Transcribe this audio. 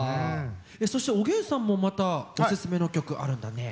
そしておげんさんもまたオススメの曲あるんだね。